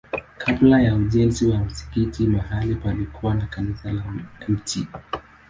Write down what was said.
Kabla ya ujenzi wa msikiti mahali palikuwa na kanisa la Mt.